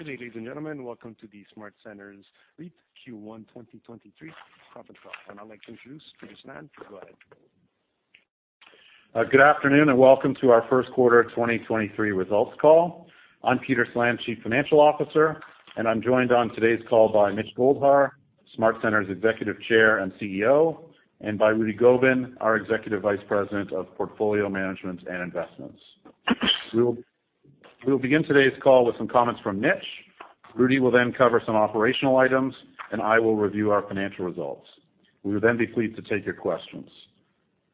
Good day, ladies and gentlemen. Welcome to the SmartCentres REIT Q1 2023 conference call. I'd like to introduce Peter Slan. Go ahead. Good afternoon and welcome to our first quarter 2023 results call. I'm Peter Slan, chief financial officer, and I'm joined on today's call by Mitchell Goldhar, SmartCentres' executive chair and CEO, and by Rudy Gobin, our executive vice president of portfolio management and investments. We will begin today's call with some comments from Mitch. Rudy will cover some operational items, and I will review our financial results. We will be pleased to take your questions.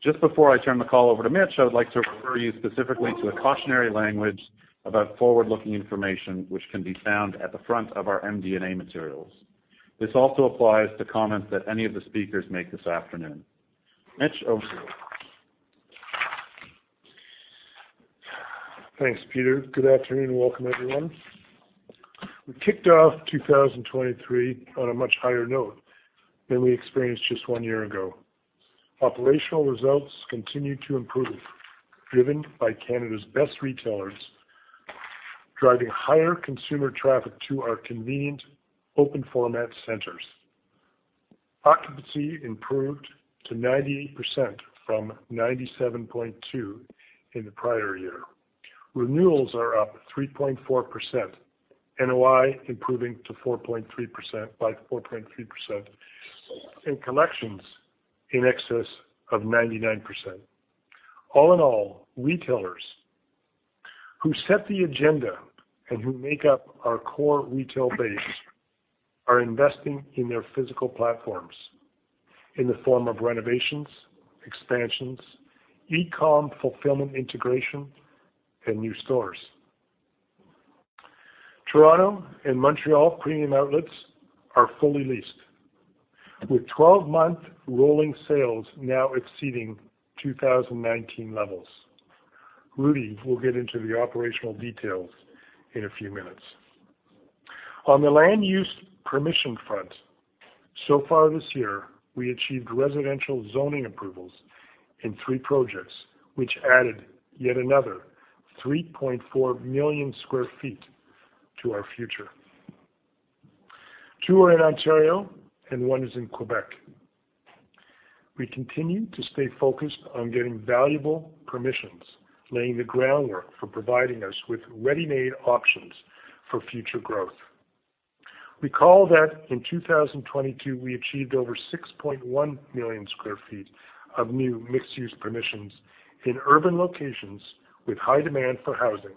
Just before I turn the call over to Mitch, I would like to refer you specifically to the cautionary language about forward-looking information, which can be found at the front of our MD&A materials. This also applies to comments that any of the speakers make this afternoon. Mitch, over to you. Thanks, Peter. Good afternoon and welcome everyone. We kicked off 2023 on a much higher note than we experienced just one year ago. Operational results continued to improve, driven by Canada's best retailers, driving higher consumer traffic to our convenient open-format centers. Occupancy improved to 98% from 97.2 in the prior year. Renewals are up 3.4%, NOI improving by 4.3%, and collections in excess of 99%. All in all, retailers who set the agenda and who make up our core retail base are investing in their physical platforms in the form of renovations, expansions, e-com fulfillment integration, and new stores. Toronto and Montreal premium outlets are fully leased, with 12-month rolling sales now exceeding 2019 levels. Rudy will get into the operational details in a few minutes. On the land use permission front, so far this year, we achieved residential zoning approvals in 3 projects, which added yet another 3.4 million sq ft to our future. Two are in Ontario and one is in Quebec. We continue to stay focused on getting valuable permissions, laying the groundwork for providing us with ready-made options for future growth. Recall that in 2022, we achieved over 6.1 million sq ft of new mixed-use permissions in urban locations with high demand for housing.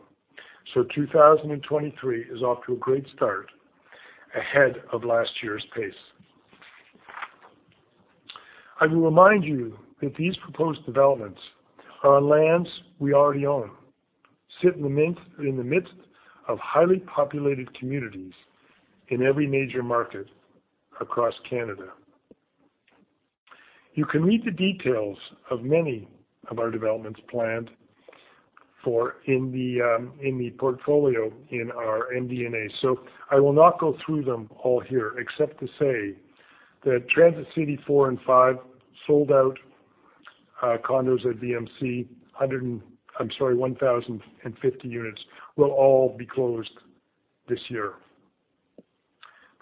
2023 is off to a great start, ahead of last year's pace. I will remind you that these proposed developments are on lands we already own, sit in the midst of highly populated communities in every major market across Canada. You can read the details of many of our developments planned for in the portfolio in our MD&A. I will not go through them all here, except to say that Transit City 4 and 5 sold out condos at VMC, 1,050 units will all be closed this year.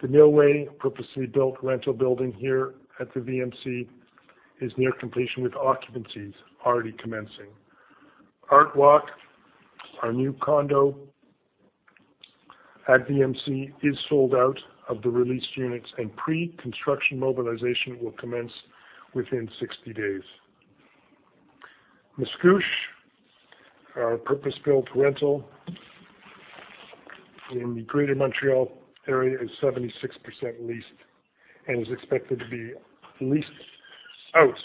The Millway purposely built rental building here at the VMC is near completion with occupancies already commencing. ArtWalk, our new condo at VMC, is sold out of the released units, and pre-construction mobilization will commence within 60 days. Le Musto, our purpose-built rental in the Greater Montreal area, is 76% leased and is expected to be leased out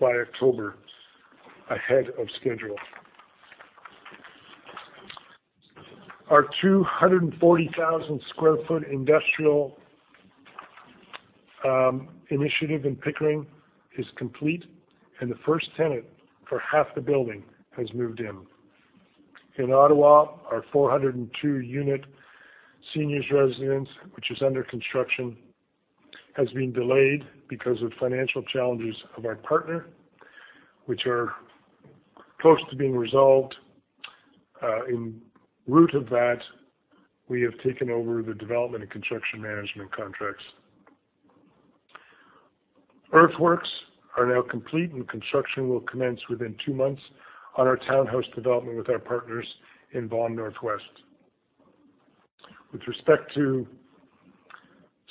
by October, ahead of schedule. Our 240,000 sq ft industrial initiative in Pickering is complete, and the first tenant for half the building has moved in. In Ottawa, our 402 unit seniors residence, which is under construction, has been delayed because of financial challenges of our partner, which are close to being resolved. In root of that, we have taken over the development and construction management contracts. Earthworks are now complete and construction will commence within 2 months on our townhouse development with our partners in Vaughan Northwest. With respect to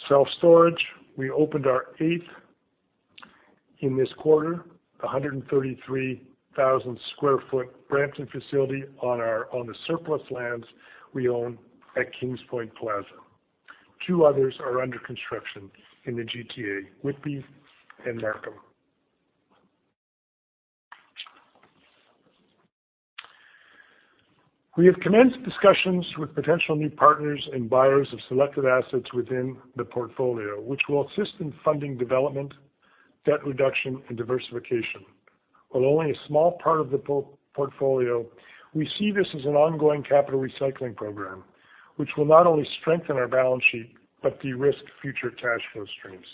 self-storage, we opened our eighth in this quarter, a 133,000 sq ft Brampton facility on the surplus lands we own at Kings Point Plaza. 2 others are under construction in the GTA, Whitby and Markham. We have commenced discussions with potential new partners and buyers of selected assets within the portfolio, which will assist in funding development, debt reduction and diversification. While only a small part of the portfolio, we see this as an ongoing capital recycling program, which will not only strengthen our balance sheet, but de-risk future cash flow streams.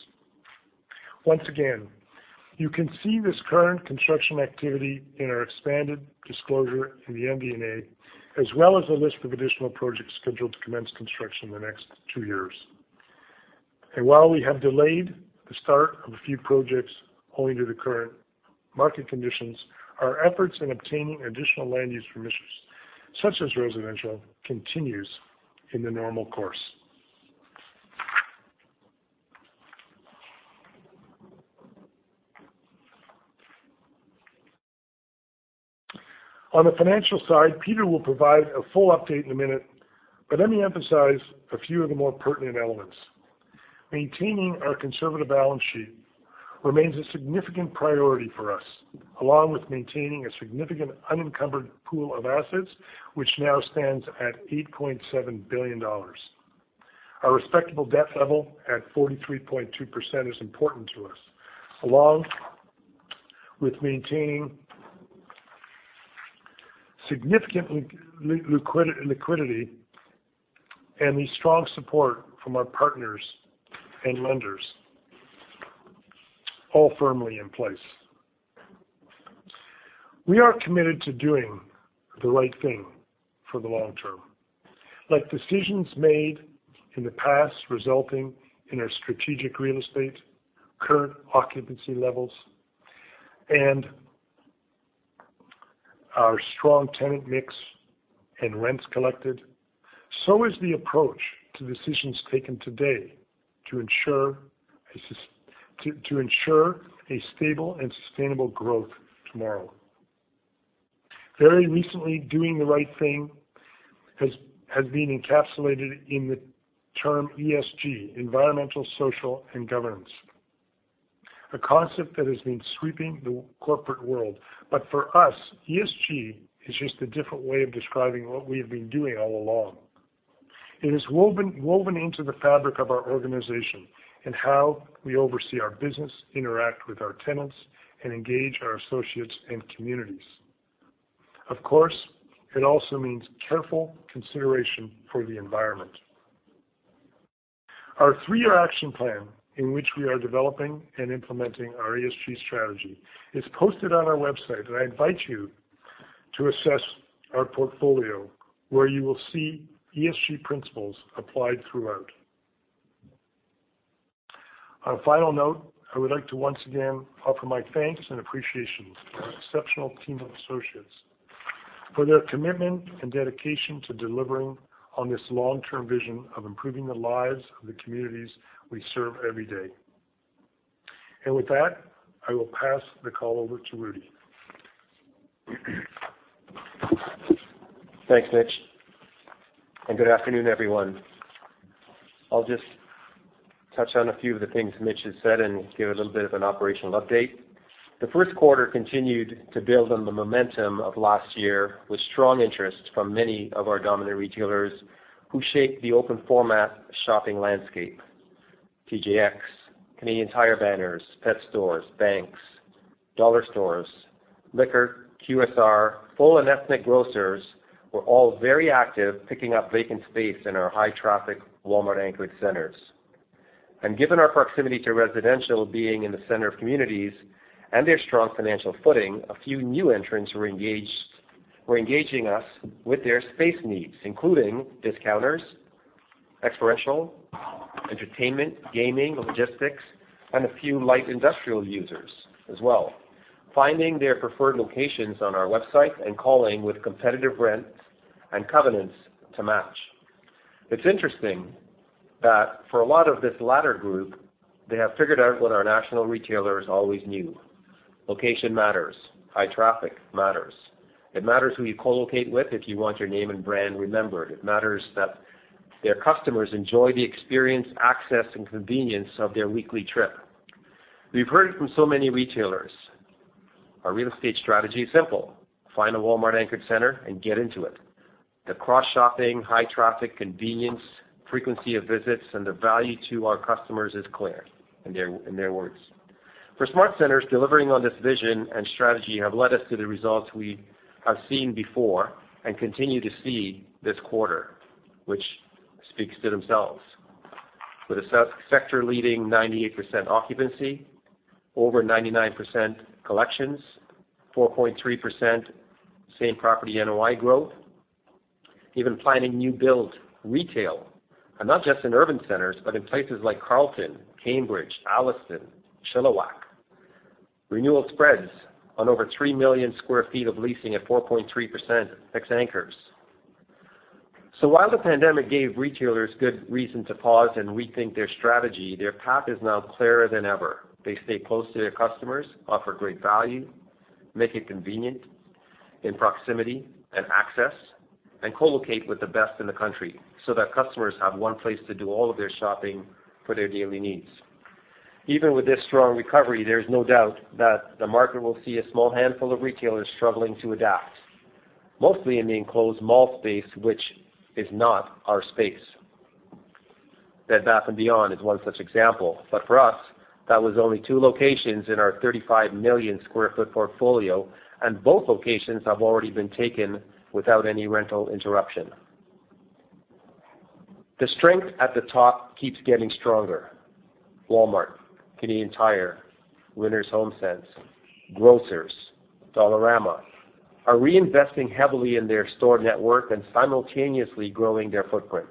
Once again, you can see this current construction activity in our expanded disclosure in the MD&A, as well as a list of additional projects scheduled to commence construction in the next two years. While we have delayed the start of a few projects owing to the current market conditions, our efforts in obtaining additional land use permissions, such as residential, continues in the normal course. On the financial side, Peter will provide a full update in a minute, but let me emphasize a few of the more pertinent elements. Maintaining our conservative balance sheet remains a significant priority for us, along with maintaining a significant unencumbered pool of assets, which now stands at 8.7 billion dollars. Our respectable debt level at 43.2% is important to us, along with maintaining significant liquidity and the strong support from our partners and lenders, all firmly in place. We are committed to doing the right thing for the long term. Like decisions made in the past resulting in our strategic real estate, current occupancy levels, and our strong tenant mix and rents collected, so is the approach to decisions taken today to ensure a stable and sustainable growth tomorrow. Very recently, doing the right thing has been encapsulated in the term ESG, environmental, social, and governance. A concept that has been sweeping the corporate world. For us, ESG is just a different way of describing what we have been doing all along. It is woven into the fabric of our organization and how we oversee our business, interact with our tenants, and engage our associates and communities. Of course, it also means careful consideration for the environment. Our three-year action plan, in which we are developing and implementing our ESG strategy, is posted on our website, and I invite you to assess our portfolio, where you will see ESG principles applied throughout. On a final note, I would like to once again offer my thanks and appreciation to our exceptional team of associates for their commitment and dedication to delivering on this long-term vision of improving the lives of the communities we serve every day. With that, I will pass the call over to Rudy. Thanks, Mitch. Good afternoon, everyone. I'll just touch on a few of the things Mitch has said and give a little bit of an operational update. The 1st quarter continued to build on the momentum of last year with strong interest from many of our dominant retailers who shape the open format shopping landscape. TJX, Canadian Tire banners, pet stores, banks, dollar stores, liquor, QSR, full and ethnic grocers were all very active, picking up vacant space in our high-traffic Walmart anchored centers. Given our proximity to residential being in the center of communities and their strong financial footing, a few new entrants were engaging us with their space needs, including discounters, experiential, entertainment, gaming, logistics, and a few light industrial users as well. Finding their preferred locations on our website and calling with competitive rents and covenants to match. It's interesting that for a lot of this latter group, they have figured out what our national retailers always knew. Location matters. High traffic matters. It matters who you collocate with if you want your name and brand remembered. It matters that their customers enjoy the experience, access, and convenience of their weekly trip. We've heard it from so many retailers. Our real estate strategy is simple: find a Walmart anchored center and get into it. The cross-shopping, high traffic, convenience, frequency of visits, and the value to our customers is clear in their words. For SmartCentres, delivering on this vision and strategy have led us to the results we have seen before and continue to see this quarter, which speaks to themselves. With a sector-leading 98% occupancy, over 99% collections, 4.3% same-property NOI growth, even planning new build retail, and not just in urban centers, but in places like Carleton, Cambridge, Alliston, Chilliwack. Renewal spreads on over 3 million sq ft of leasing at 4.3% ex anchors. While the pandemic gave retailers good reason to pause and rethink their strategy, their path is now clearer than ever. They stay close to their customers, offer great value, make it convenient in proximity and access, and collocate with the best in the country so that customers have one place to do all of their shopping for their daily needs. Even with this strong recovery, there is no doubt that the market will see a small handful of retailers struggling to adapt, mostly in the enclosed mall space, which is not our space. Bed Bath & Beyond is one such example, but for us, that was only 2 locations in our 35 million sq ft portfolio, and both locations have already been taken without any rental interruption. The strength at the top keeps getting stronger. Walmart, Canadian Tire, Winners/HomeSense, Grocers, Dollarama are reinvesting heavily in their store network and simultaneously growing their footprint.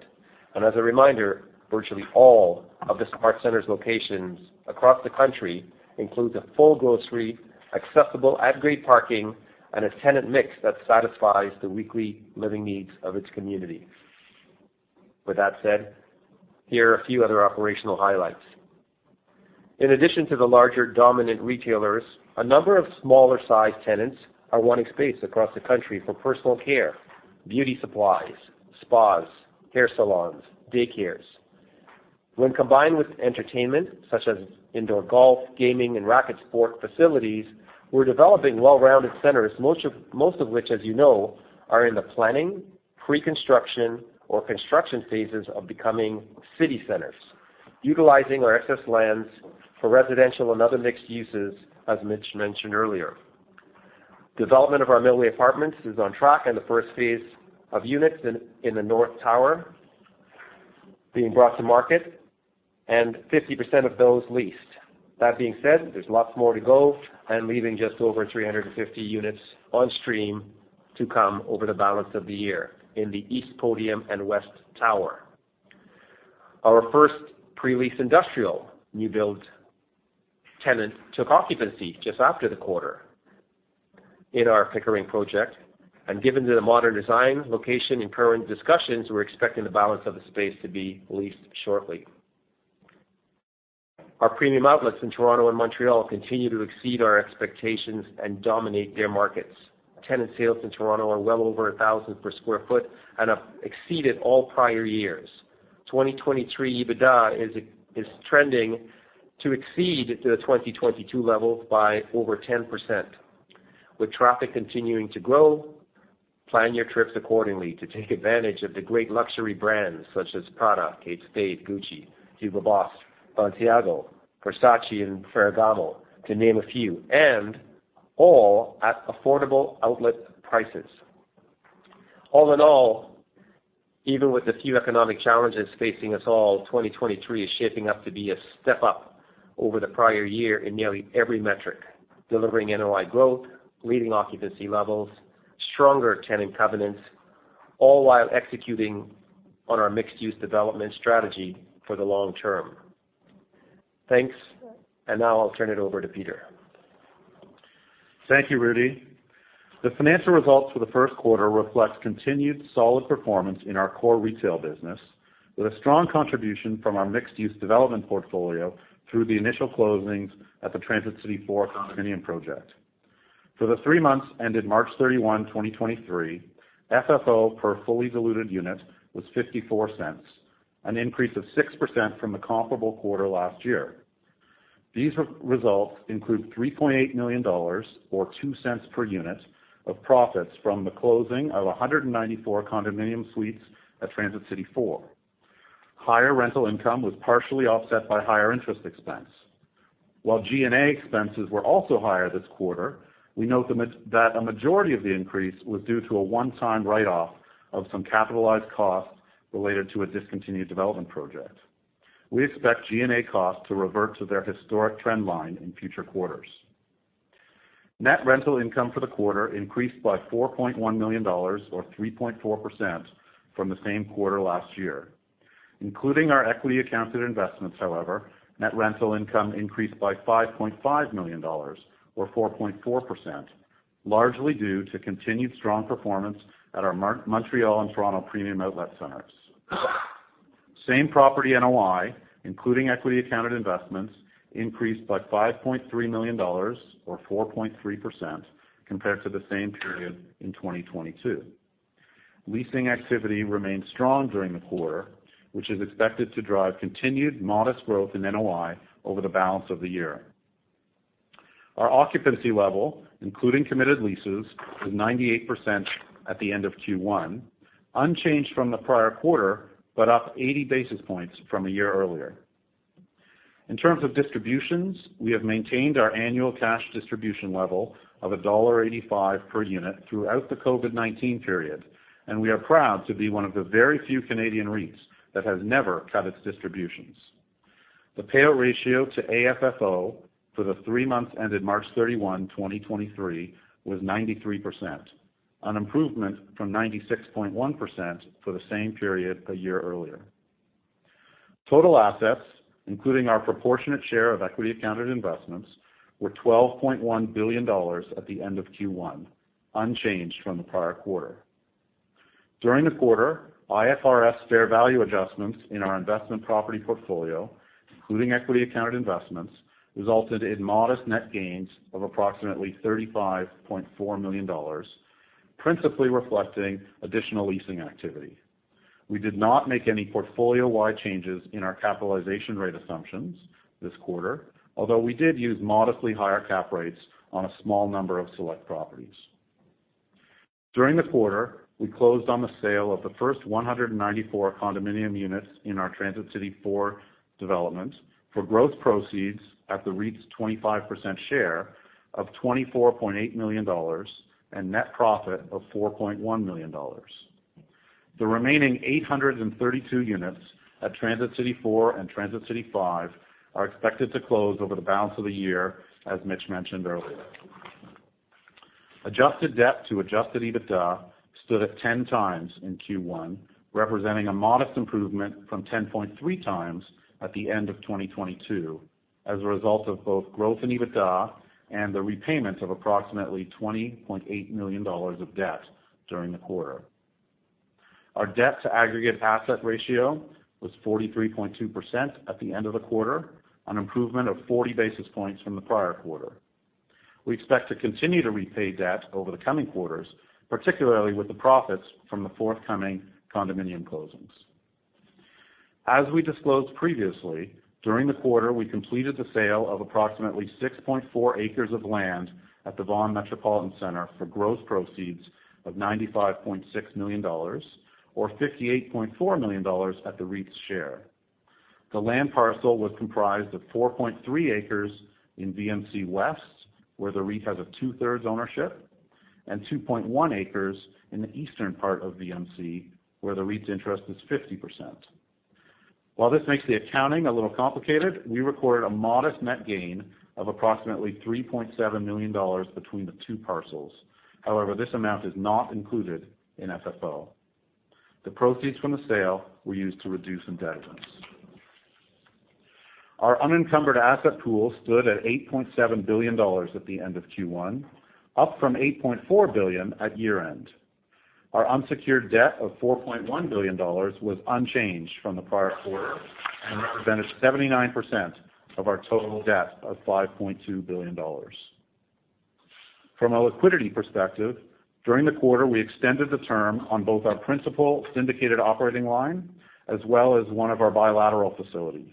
As a reminder, virtually all of the SmartCentres locations across the country includes a full grocery, accessible at grade parking, and a tenant mix that satisfies the weekly living needs of its community. With that said, here are a few other operational highlights. In addition to the larger dominant retailers, a number of smaller size tenants are wanting space across the country for personal care, beauty supplies, spas, hair salons, daycares. When combined with entertainment such as indoor golf, gaming, and racket sport facilities, we're developing well-rounded centers, most of which, as you know, are in the planning, pre-construction or construction phases of becoming city centers, utilizing our excess lands for residential and other mixed uses, as Mitch mentioned earlier. Development of our Millway Apartments is on track, and the first phase of units in the north tower being brought to market, and 50% of those leased. That being said, there's lots more to go and leaving just over 350 units on stream to come over the balance of the year in the east podium and west tower. Our first pre-lease industrial new build tenant took occupancy just after the quarter in our Pickering project, and given the modern design, location, and current discussions, we're expecting the balance of the space to be leased shortly. Our premium outlets in Toronto and Montreal continue to exceed our expectations and dominate their markets. Tenant sales in Toronto are well over $1,000 per square foot and have exceeded all prior years. 2023 EBITDA is trending to exceed the 2022 levels by over 10%. With traffic continuing to grow, plan your trips accordingly to take advantage of the great luxury brands such as Prada, Kate Spade, Gucci, Hugo Boss, Zegna, Versace, and Ferragamo, to name a few, and all at affordable outlet prices. All in all, even with the few economic challenges facing us all, 2023 is shaping up to be a step up over the prior year in nearly every metric, delivering NOI growth, leading occupancy levels, stronger tenant covenants, all while executing on our mixed-use development strategy for the long term. Thanks. Now I'll turn it over to Peter. Thank you, Rudy. The financial results for the first quarter reflects continued solid performance in our core retail business, with a strong contribution from our mixed-use development portfolio through the initial closings at the Transit City 4 condominium project. For the 3 months ended March 31, 2023, FFO per fully diluted unit was 0.54, an increase of 6% from the comparable quarter last year. These results include 3.8 million dollars, or 0.02 per unit of profits from the closing of 194 condominium suites at Transit City 4. Higher rental income was partially offset by higher interest expense. While G&A expenses were also higher this quarter, we note that a majority of the increase was due to a one-time write-off of some capitalized costs related to a discontinued development project. We expect G&A costs to revert to their historic trend line in future quarters. Net rental income for the quarter increased by 4.1 million dollars or 3.4% from the same quarter last year. Including our equity accounted investments, however, net rental income increased by 5.5 million dollars or 4.4%, largely due to continued strong performance at our Montreal and Toronto premium outlet centers. Same property NOI, including equity accounted investments, increased by 5.3 million dollars or 4.3% compared to the same period in 2022. Leasing activity remained strong during the quarter, which is expected to drive continued modest growth in NOI over the balance of the year. Our occupancy level, including committed leases, was 98% at the end of Q1, unchanged from the prior quarter, but up 80 basis points from a year earlier. In terms of distributions, we have maintained our annual cash distribution level of dollar 1.85 per unit throughout the COVID-19 period, and we are proud to be one of the very few Canadian REITs that has never cut its distributions. The payout ratio to AFFO for the 3 months ended March 31, 2023, was 93%, an improvement from 96.1% for the same period a year earlier. Total assets, including our proportionate share of equity accounted investments, were 12.1 billion dollars at the end of Q1, unchanged from the prior quarter. During the quarter, IFRS fair value adjustments in our investment property portfolio, including equity accounted investments, resulted in modest net gains of approximately $35.4 million, principally reflecting additional leasing activity. We did not make any portfolio-wide changes in our capitalization rate assumptions this quarter, although we did use modestly higher cap rates on a small number of select properties. During the quarter, we closed on the sale of the first 194 condominium units in our Transit City 4 development for growth proceeds at the REIT's 25% share of $24.8 million and net profit of $4.1 million. The remaining 832 units at Transit City 4 and Transit City 5 are expected to close over the balance of the year, as Mitch mentioned earlier. Adjusted debt to adjusted EBITDA stood at 10 times in Q1, representing a modest improvement from 10.3 times at the end of 2022 as a result of both growth in EBITDA and the repayment of approximately 20.8 million dollars of debt during the quarter. Our debt to aggregate asset ratio was 43.2% at the end of the quarter, an improvement of 40 basis points from the prior quarter. We expect to continue to repay debt over the coming quarters, particularly with the profits from the forthcoming condominium closings. As we disclosed previously, during the quarter, we completed the sale of approximately 6.4 acres of land at the Vaughan Metropolitan Center for gross proceeds of 95.6 million dollars, or 58.4 million dollars at the REIT's share. The land parcel was comprised of 4.3 acres in VMC West, where the REIT has a two-thirds ownership, and 2.1 acres in the eastern part of VMC, where the REIT's interest is 50%. While this makes the accounting a little complicated, we recorded a modest net gain of approximately 3.7 million dollars between the two parcels. This amount is not included in FFO. The proceeds from the sale were used to reduce indulgence. Our unencumbered asset pool stood at 8.7 billion dollars at the end of Q1, up from 8.4 billion at year-end. Our unsecured debt of 4.1 billion dollars was unchanged from the prior quarter and represented 79% of our total debt of 5.2 billion dollars. From a liquidity perspective, during the quarter, we extended the term on both our principal syndicated operating line as well as one of our bilateral facilities.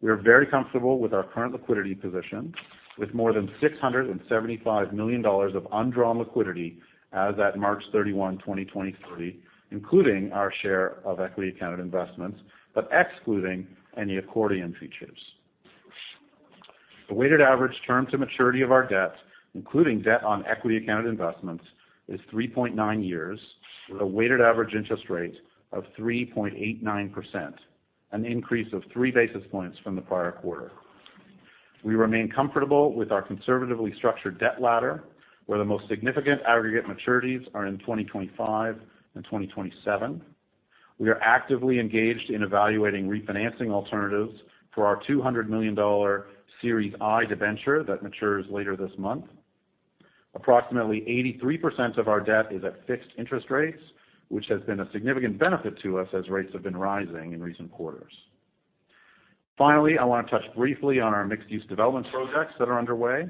We are very comfortable with our current liquidity position, with more than 675 million dollars of undrawn liquidity as at March 31, 2023, including our share of equity accounted investments, but excluding any accordion features. The weighted average term to maturity of our debt, including debt on equity accounted investments, is 3.9 years, with a weighted average interest rate of 3.89%, an increase of three basis points from the prior quarter. We remain comfortable with our conservatively structured debt ladder, where the most significant aggregate maturities are in 2025 and 2027. We are actively engaged in evaluating refinancing alternatives for our $200 million Series I debenture that matures later this month. Approximately 83% of our debt is at fixed interest rates, which has been a significant benefit to us as rates have been rising in recent quarters. Finally, I want to touch briefly on our mixed-use development projects that are underway.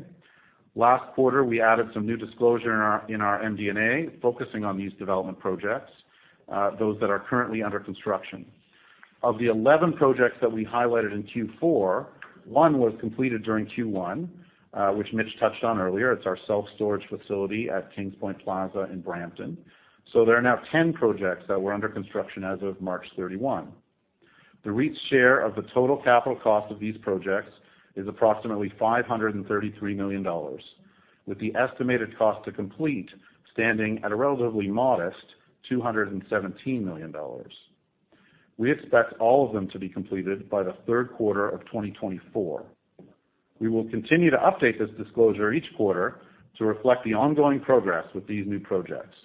Last quarter, we added some new disclosure in our MD&A, focusing on these development projects, those that are currently under construction. Of the 11 projects that we highlighted in Q4, 1 was completed during Q1, which Mitch touched on earlier. It's our self-storage facility at Kings Point Plaza in Brampton. There are now 10 projects that were under construction as of March 31. The REIT's share of the total capital cost of these projects is approximately 533 million dollars, with the estimated cost to complete standing at a relatively modest 217 million dollars. We expect all of them to be completed by the third quarter of 2024. We will continue to update this disclosure each quarter to reflect the ongoing progress with these new projects.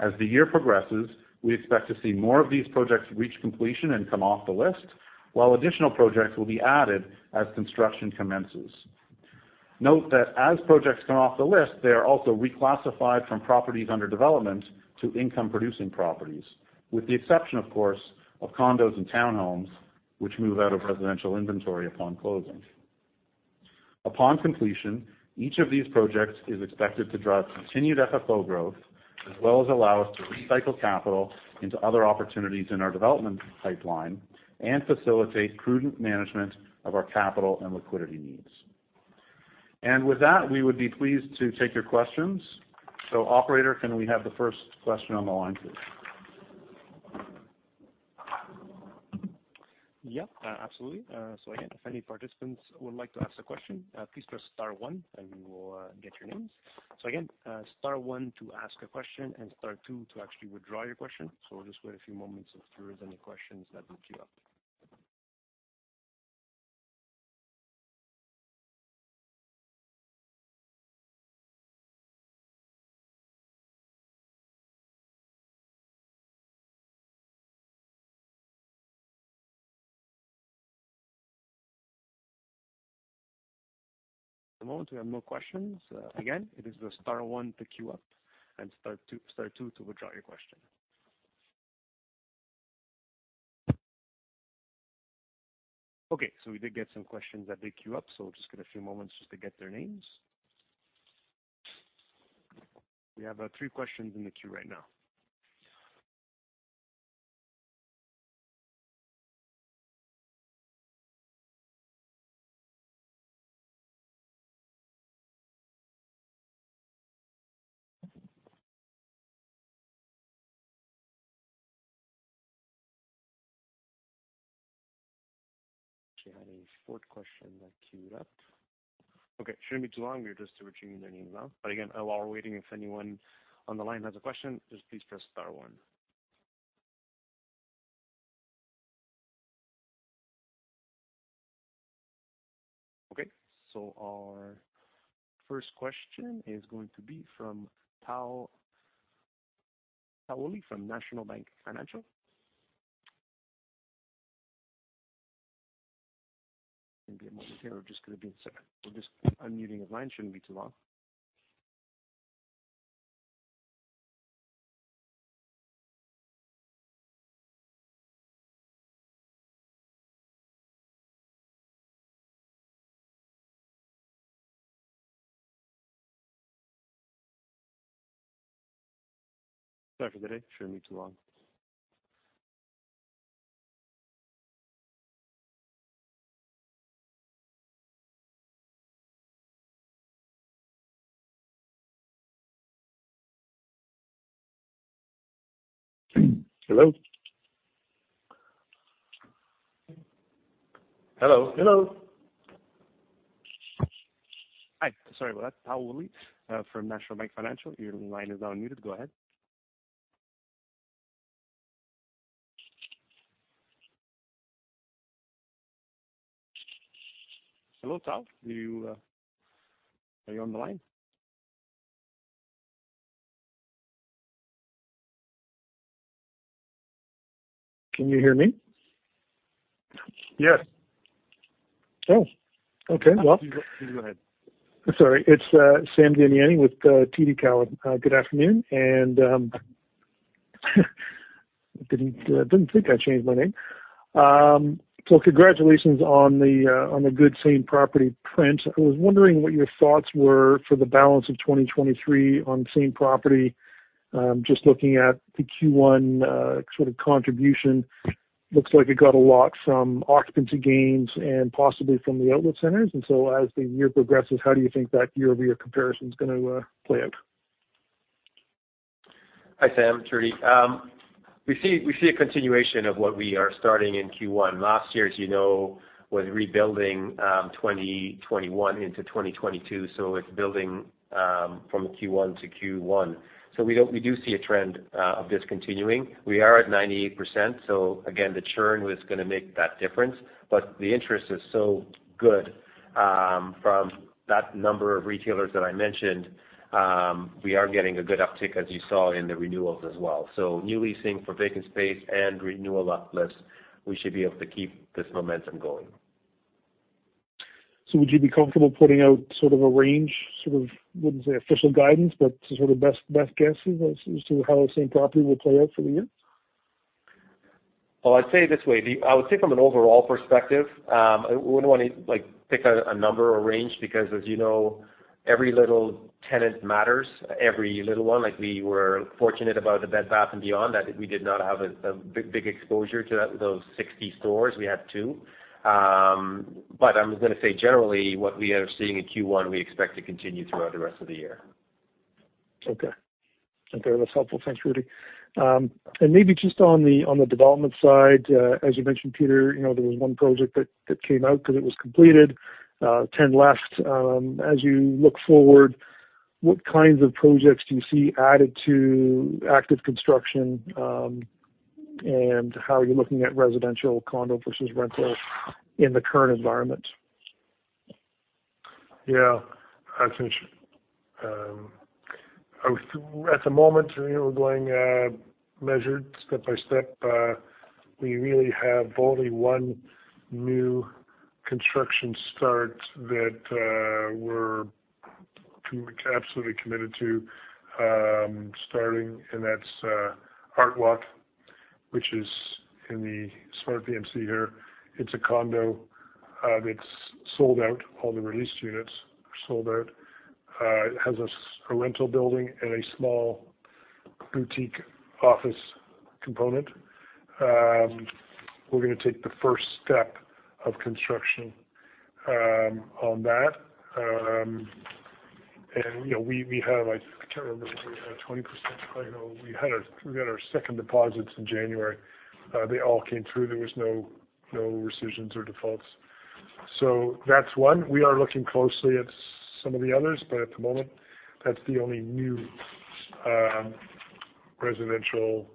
As the year progresses, we expect to see more of these projects reach completion and come off the list, while additional projects will be added as construction commences. Note that as projects come off the list, they are also reclassified from properties under development to income-producing properties, with the exception, of course, of condos and townhomes, which move out of residential inventory upon closing. Upon completion, each of these projects is expected to drive continued FFO growth, as well as allow us to recycle capital into other opportunities in our development pipeline and facilitate prudent management of our capital and liquidity needs. With that, we would be pleased to take your questions. Operator, can we have the first question on the line, please? Yeah, absolutely. Again, if any participants would like to ask a question, please press star one, and we will get your names. Again, star one to ask a question, and star two to actually withdraw your question. We'll just wait a few moments if there is any questions that will queue up. At the moment, we have no questions. Again, it is the star one to queue up and star two to withdraw your question. We did get some questions that did queue up, so we'll just get a few moments just to get their names. We have three questions in the queue right now. Actually had a fourth question that queued up. Okay. Shouldn't be too long. We're just retrieving their name now. Again, while we're waiting, if anyone on the line has a question, just please press star one. Okay. Our first question is going to be from Tal Woolley from National Bank Financial. Maybe a moment here. Just gonna be a second. We're just unmuting his line. Shouldn't be too long. Sorry for the delay. Shouldn't be too long. Hello? Hello? Hello. Hi. Sorry about that. Tal Woolley, from National Bank Financial, your line is unmuted. Go ahead. Hello, Tal. Are you on the line? Can you hear me? Yes. Oh, okay. You go, you go ahead. Sorry. It's Sam Damiani with TD Cowen. Good afternoon. Didn't think I changed my name. Congratulations on the good same-property print. I was wondering what your thoughts were for the balance of 2023 on same property. Just looking at the Q1 sort of contribution. Looks like it got a lot from occupancy gains and possibly from the outlet centers. As the year progresses, how do you think that year-over-year comparison is gonna play out? Hi, Sam. It's Rudy. We see a continuation of what we are starting in Q1. Last year, as you know, was rebuilding, 2021 into 2022, it's building from Q1 to Q1. We do see a trend of this continuing. We are at 98%, again, the churn was gonna make that difference. The interest is so good from that number of retailers that I mentioned, we are getting a good uptick, as you saw in the renewals as well. New leasing for vacant space and renewal uplift, we should be able to keep this momentum going. Would you be comfortable putting out sort of a range, sort of, I wouldn't say official guidance, but sort of best guesses as to how same property will play out for the year? Well, I'd say it this way. I would say from an overall perspective, I wouldn't wanna like, pick a number or range because as you know, every little tenant matters, every little one. Like, we were fortunate about the Bed Bath & Beyond, that we did not have a big exposure to that, those 60 stores. We had two. I'm gonna say generally what we are seeing in Q1, we expect to continue throughout the rest of the year. Okay. Okay, that's helpful. Thanks, Rudy. Maybe just on the, on the development side, as you mentioned, Peter, you know, there was one project that came out 'cause it was completed, 10 left. As you look forward, what kinds of projects do you see added to active construction, and how are you looking at residential condo versus rental in the current environment? I think, at the moment, you know, we're going measured step by step. We really have only one new construction start that we're absolutely committed to starting, and that's ArtWalk, which is in the SmartVMC here. It's a condo that's sold out. All the released units are sold out. It has a rental building and a small boutique office component. We're gonna take the first step of construction on that. And you know, we have, I can't remember if we have 20%. I know we had our second deposits in January. They all came through. There was no rescissions or defaults. That's one. We are looking closely at some of the others, but at the moment, that's the only new, residential,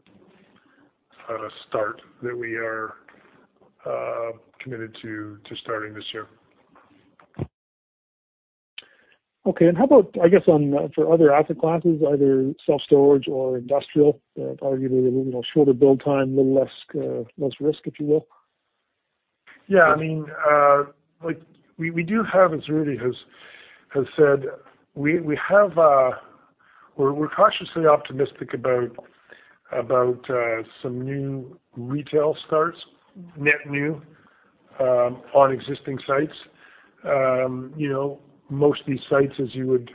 start that we are committed to starting this year. Okay. How about, I guess, on, for other asset classes, either self-storage or industrial, that arguably, you know, shorter build time, little less, less risk, if you will? Yeah. I mean, like we do have, as Rudy Gobin has said, we have. We're cautiously optimistic about some new retail starts, net new on existing sites. You know, most of these sites, as you would,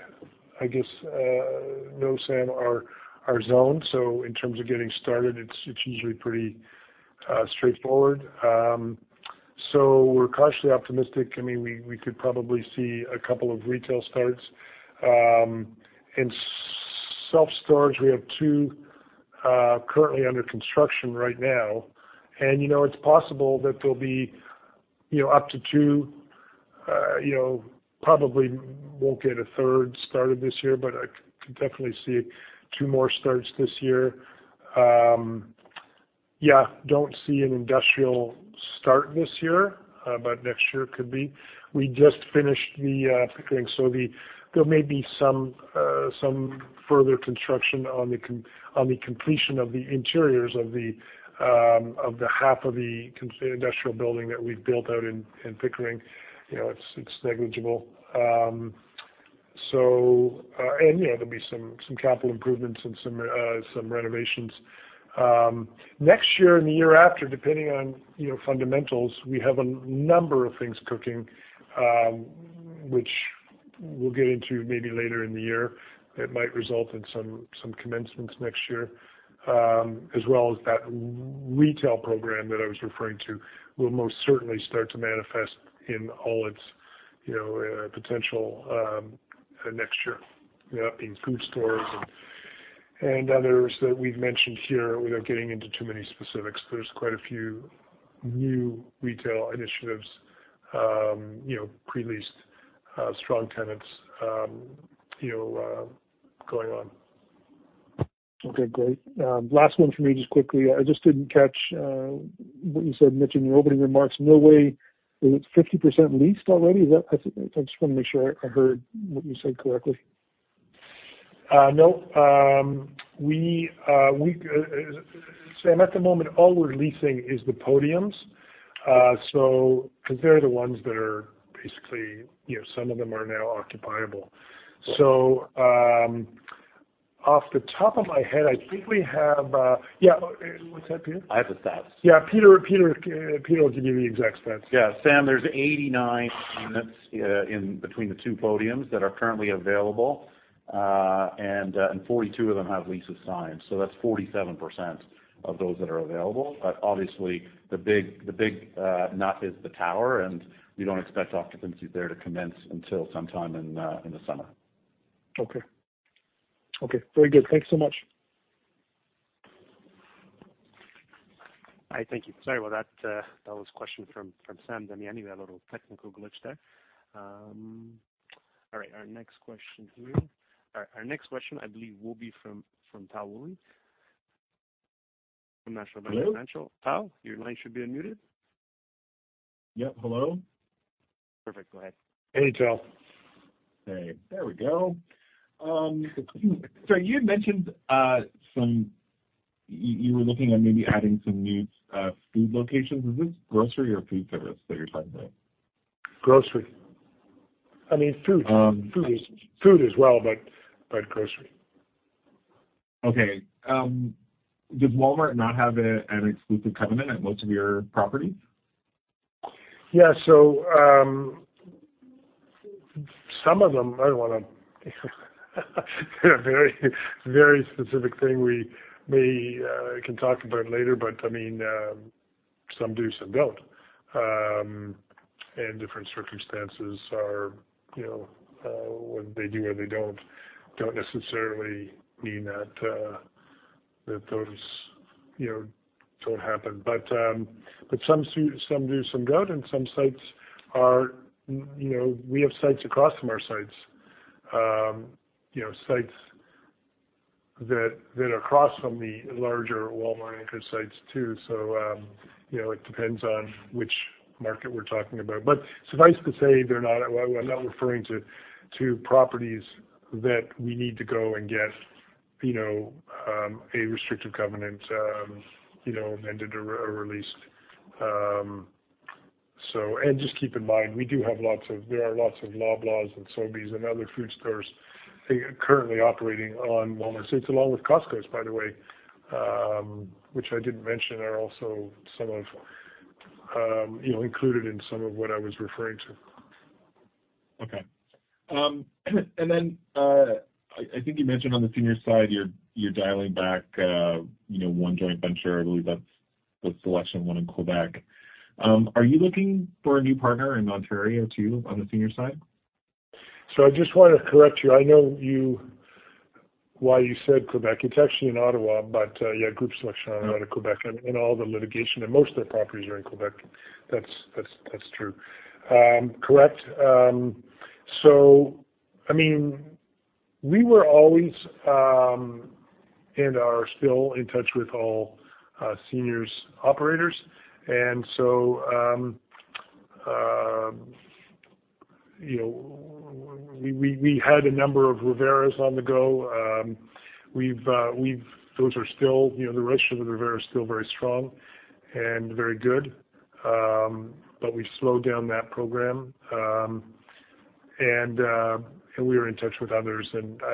I guess, know, Sam Damiani, are zoned. In terms of getting started, it's usually pretty straightforward. We're cautiously optimistic. I mean, we could probably see a couple of retail starts. In self-storage, we have two currently under construction right now. You know, it's possible that there'll be up to two, probably won't get a 3rd started this year, but I could definitely see two more starts this year. Yeah, don't see an industrial start this year, but next year could be. We just finished the Pickering, so there may be some further construction on the completion of the interiors of the half of the industrial building that we've built out in Pickering. You know, it's negligible. Yeah, there'll be some capital improvements and some renovations. Next year and the year after, depending on, you know, fundamentals, we have a number of things cooking, which we'll get into maybe later in the year that might result in some commencements next year. As well as that retail program that I was referring to will most certainly start to manifest in all its, you know, potential next year. Yeah, in food stores and others that we've mentioned here without getting into too many specifics. There's quite a few new retail initiatives, you know, pre-leased, strong tenants, you know, going on. Okay, great. last one for me just quickly. I just didn't catch what you said, Mitch, in your opening remarks. Millway is 50% leased already? Is that... I just wanna make sure I heard what you said correctly. No. We, Sam, at the moment, all we're leasing is the podiums. Because they're the ones that are basically, you know, some of them are now occupiable. Off the top of my head, I think we have. Yeah. What's that, Peter? I have the stats. Yeah, Peter will give you the exact stats. Sam, there's 89 units in between the two podiums that are currently available. 42 of them have leases signed. That's 47% of those that are available. Obviously the big nut is the tower, and we don't expect occupancy there to commence until sometime in the summer. Okay. Okay, very good. Thanks so much. All right. Thank you. Sorry about that. That was question from Sam Damiani, a little technical glitch there. All right, our next question here. All right, our next question, I believe, will be from Tal Woolley from National Bank Financial. Hello? Tal, your line should be unmuted. Yep, hello? Perfect. Go ahead. Hey, Tal. Hey. There we go. You had mentioned, some you were looking at maybe adding some new, food locations. Is this grocery or food service that you're talking about? Grocery. I mean, food. Um- Food as well, but grocery. Does Walmart not have an exclusive covenant at most of your properties? Yeah. some of them. I don't want a very, very specific thing we can talk about later, I mean, some do, some don't. different circumstances are, you know, when they do or they don't necessarily mean that those, you know, don't happen. some do, some don't, some sites are, you know, we have sites across from our sites, you know, sites that are across from the larger Walmart anchor sites, too. you know, it depends on which market we're talking about. suffice to say they're not. We're not referring to properties that we need to go and get, you know, a restrictive covenant, you know, amended or released. Just keep in mind, we do have lots of, there are lots of Loblaws and Sobeys and other food stores, currently operating on Walmart sites along with Costco, by the way, which I didn't mention are also some of, you know, included in some of what I was referring to. I think you mentioned on the senior side you're dialing back, you know, one joint venture. I believe that's with Groupe Sélection in Quebec. Are you looking for a new partner in Ontario too on the senior side? I just want to correct you. I know you, why you said Quebec. It's actually in Ottawa. Yeah, Groupe Sélection out of Quebec and all the litigation, and most of their properties are in Quebec. That's true. Correct. I mean, we were always, and are still in touch with all seniors operators. You know, we had a number of Revera's on the go. Those are still, you know, the relationship with Revera is still very strong and very good. We've slowed down that program. We are in touch with others.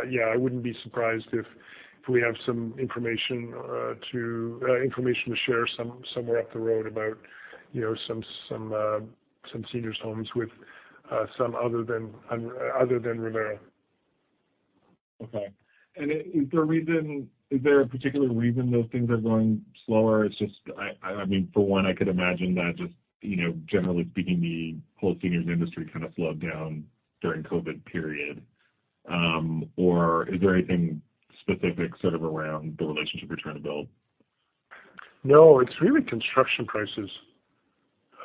Yeah, I wouldn't be surprised if we have some information to share somewhere up the road about, you know, some senior's homes with, some other than Revera. Okay. Is there a particular reason those things are going slower? It's just... I mean, for one, I could imagine that just, you know, generally speaking, the whole seniors industry kind of slowed down during COVID period. Is there anything specific sort of around the relationship you're trying to build? It's really construction prices.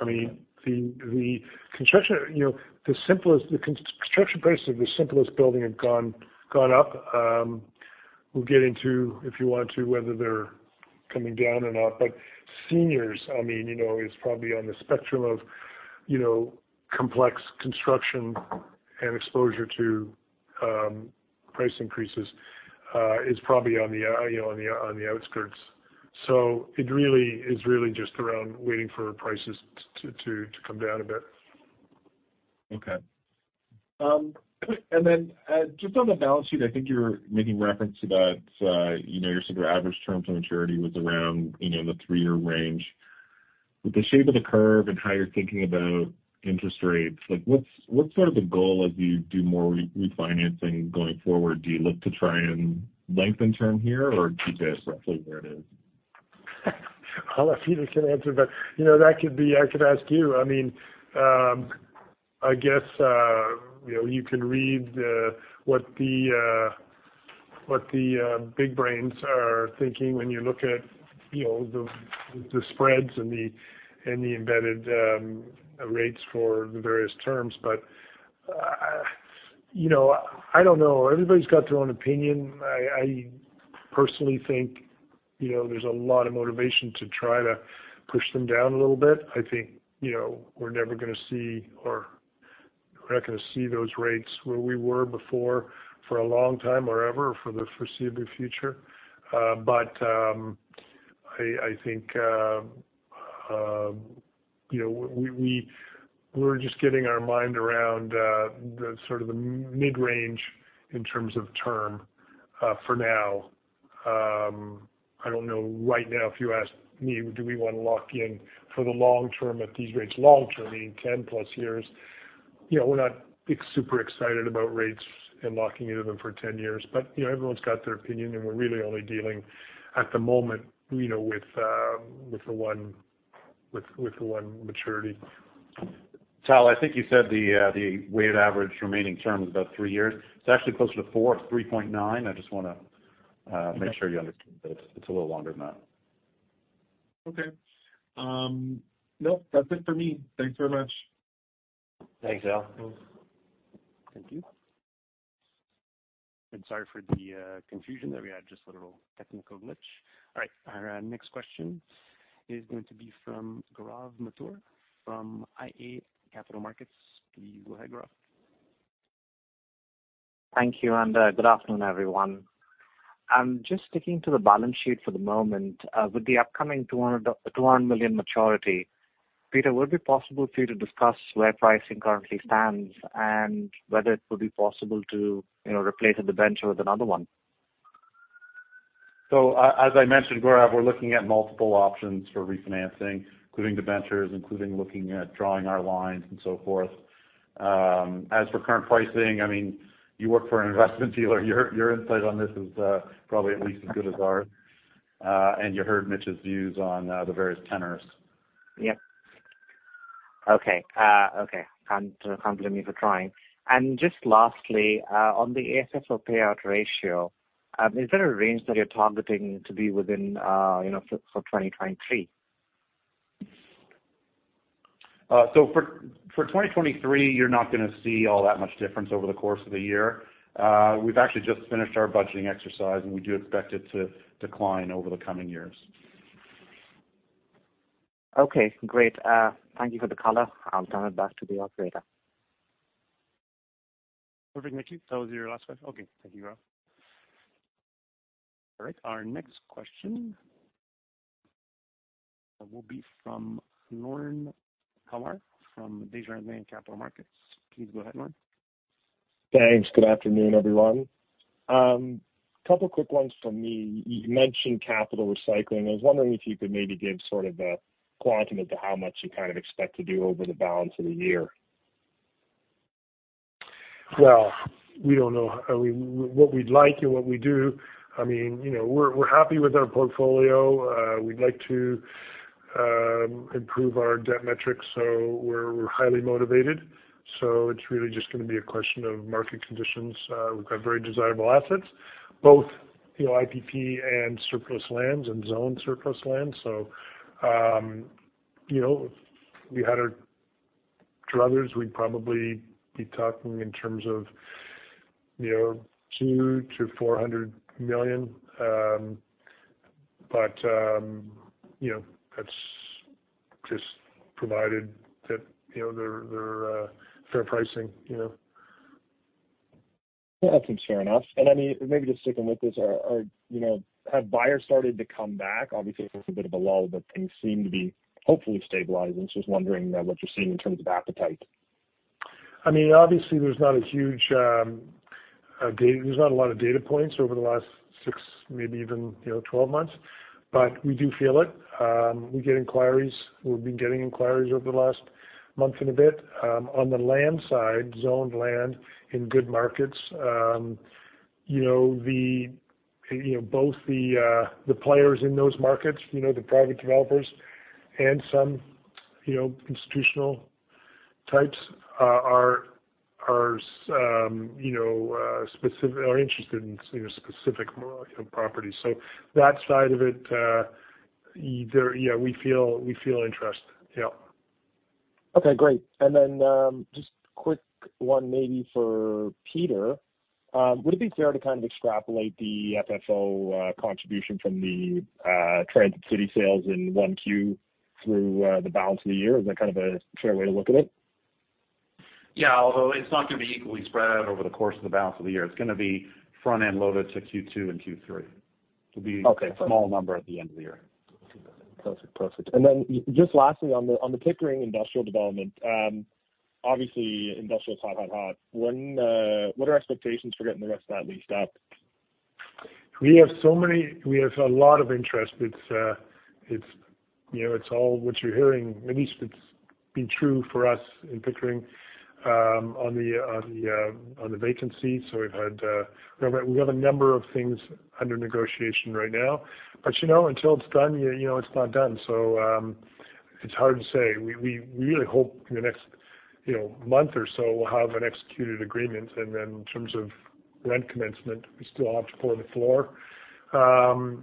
I mean, the construction, you know, the construction price of the simplest building had gone up. We'll get into, if you want to, whether they're coming down or not. Seniors, I mean, you know, is probably on the spectrum of, you know, complex construction and exposure to price increases, is probably on the, you know, on the outskirts. It really is just around waiting for prices to come down a bit. Okay. quick. Then, just on the balance sheet, I think you're making reference to that, you know, your sort of average terms of maturity was around, you know, the 3-year range. With the shape of the curve and how you're thinking about interest rates, like what's sort of the goal as you do more re-refinancing going forward? Do you look to try and lengthen term here or keep it roughly where it is? I'll let Peter can answer, you know, that could be. I could ask you. I mean, I guess, you know, you can read the, what the, what the, big brains are thinking when you look at, you know, the spreads and the, and the embedded rates for the various terms. you know, I don't know. Everybody's got their own opinion. I personally think, you know, there's a lot of motivation to try to push them down a little bit. I think, you know, we're never gonna see or we're not gonna see those rates where we were before for a long time or ever for the foreseeable future. I think, you know, we're just getting our mind around the sort of the mid-range in terms of term for now. I don't know right now if you asked me do we wanna lock in for the long term at these rates. Long term meaning 10 plus years. You know, we're not super excited about rates and locking into them for 10 years. You know, everyone's got their opinion, and we're really only dealing at the moment, you know, with the one maturity. Sam, I think you said the weighted average remaining term was about three years. It's actually closer to 4, 3.9. I just wanna make sure you understand that it's a little longer than that. Okay. Nope, that's it for me. Thanks very much. Thanks, Tal. Thanks. Thank you. Sorry for the confusion there. We had just a little technical glitch. All right. Our next question is going to be from Gaurav Mathur from iA Capital Markets. Please go ahead, Gaurav. Thank you. Good afternoon, everyone. I'm just sticking to the balance sheet for the moment. With the upcoming 200 million maturity, Peter, would it be possible for you to discuss where pricing currently stands and whether it will be possible to, you know, replace a debenture with another one? As I mentioned, Gaurav, we're looking at multiple options for refinancing, including debentures, including looking at drawing our lines and so forth. As for current pricing, I mean, you work for an investment dealer, your insight on this is probably at least as good as ours. You heard Mitch's views on the various tenors. Yep. Okay. Okay. Can't compliment me for trying. Just lastly, on the AFFO payout ratio, is there a range that you're targeting to be within, you know, for 2023? For 2023, you're not gonna see all that much difference over the course of the year. We've actually just finished our budgeting exercise, we do expect it to decline over the coming years. Okay, great. Thank you for the color. I'll turn it back to the operator. Perfect, Mitch. That was your last question? Okay. Thank you, Gaurav. All right, our next question will be from Lorne Kalmar from Desjardins Capital Markets. Please go ahead, Lorne. Thanks. Good afternoon, everyone. Couple quick ones from me. You mentioned capital recycling. I was wondering if you could maybe give sort of a quantum into how much you kind of expect to do over the balance of the year. Well, we don't know. I mean, what we'd like and what we do. I mean, you know, we're happy with our portfolio. We'd like to improve our debt metrics, we're highly motivated. It's really just gonna be a question of market conditions. We've got very desirable assets, both, you know, IPP and surplus lands and zoned surplus lands. You know, if we had our druthers, we'd probably be talking in terms of, you know, 200 million-400 million. You know, that's just provided that, you know, they're fair pricing, you know. Yeah, that seems fair enough. I mean, maybe just sticking with this. Are, you know, have buyers started to come back? Obviously, there's a bit of a lull, but things seem to be hopefully stabilizing. I was wondering what you're seeing in terms of appetite. I mean, obviously, there's not a huge, there's not a lot of data points over the last six, maybe even, you know, 12 months, but we do feel it. We get inquiries. We've been getting inquiries over the last month and a bit. On the land side, zoned land in good markets, you know, the, you know, both the players in those markets, you know, the private developers and some, you know, institutional types, are, you know, are interested in, you know, specific molecular properties. That side of it, there, yeah, we feel interest. Yeah. Okay, great. Just quick one maybe for Peter. Would it be fair to kind of extrapolate the FFO contribution from the Transit City sales in 1 Q through the balance of the year? Is that kind of a fair way to look at it? Yeah. It's not gonna be equally spread out over the course of the balance of the year. It's gonna be front end loaded to Q2 and Q3. Okay. A small number at the end of the year. Perfect. Perfect. Just lastly on the Pickering Industrial Development, obviously industrial is hot, hot. When, what are expectations for getting the rest of that leased up? We have a lot of interest. It's, it's, you know, it's all what you're hearing. At least it's been true for us in Pickering, on the vacancy. We've had, we have a number of things under negotiation right now, but, you know, until it's done, you know, it's not done. It's hard to say. We really hope in the next, you know, month or so we'll have an executed agreement. In terms of rent commencement, we still have to pour the floor, and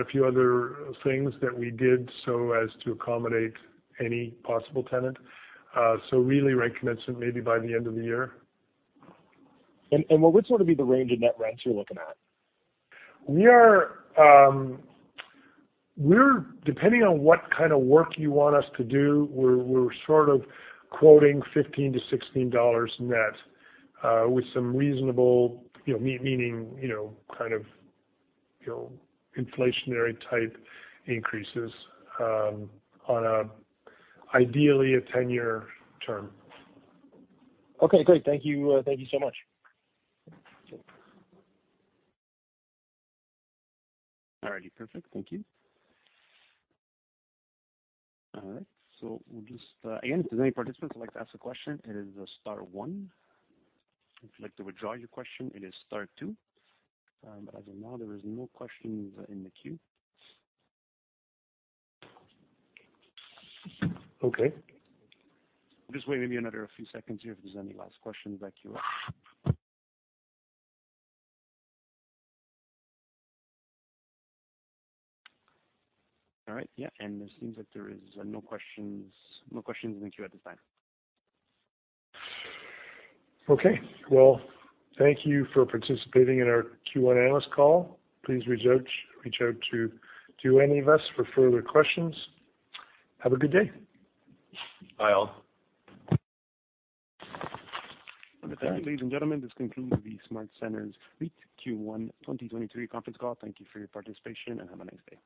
a few other things that we did so as to accommodate any possible tenant. Really rent commencement maybe by the end of the year. What would sort of be the range of net rents you're looking at? We are, depending on what kind of work you want us to do, we're sort of quoting 15-16 dollars net, with some reasonable, you know, meaning, you know, kind of, you know, inflationary type increases, on a ideally a 10-year term. Okay, great. Thank you. Thank you so much. Sure. All righty. Perfect. Thank you. All right. We'll just, again, if there's any participants who'd like to ask a question, it is star one. If you'd like to withdraw your question, it is star two. As of now, there is no questions in the queue. Okay. Just wait maybe another few seconds here if there's any last questions back you up. All right. Yeah, it seems that there is no questions in the queue at this time. Okay. Well, thank you for participating in our Q1 analyst call. Please reach out to any of us for further questions. Have a good day. Bye all. Okay, ladies and gentlemen, this concludes the SmartCentres REIT Q1 2023 conference call. Thank you for your participation and have a nice day.